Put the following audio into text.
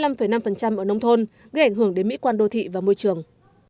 bốn mươi năm năm ở nông thôn gây ảnh hưởng đến mỹ quan đô thị và môi trường